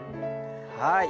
はい。